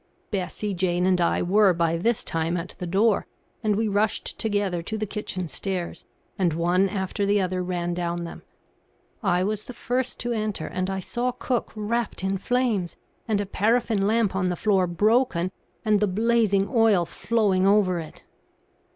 Bessie, Jane, and I were by this time at the door, and we rushed together to the kitchen stairs, and one after the other ran down them. I was the first to enter, and I saw cook wrapped in flames, and a paraffin lamp on the floor broken, and the blazing oil flowing over it.